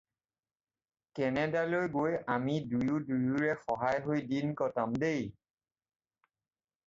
কেনেডালৈ গৈ আমি দুয়ো দুয়োৰে সহায় হৈ দিন কটাম, দেই।